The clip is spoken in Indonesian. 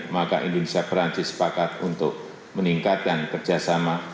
maka indonesia perancis sepakat untuk meningkatkan kerjasama